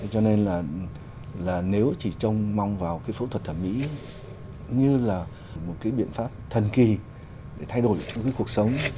cho nên là nếu chỉ mong vào cái phẫu thuật thẩm mỹ như là một cái biện pháp thần kỳ để thay đổi cuộc sống